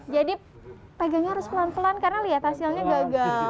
jadi pegangnya harus pelan pelan karena liat hasilnya gagal